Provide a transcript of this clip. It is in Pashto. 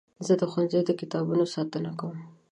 زه د ښوونځي د کتابونو ساتنه کوم.